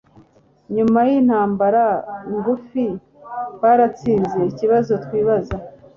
Nyuma yintambara ngufi baratsinze ikibazo twibaza